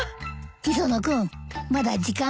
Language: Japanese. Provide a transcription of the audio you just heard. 磯野君まだ時間ある？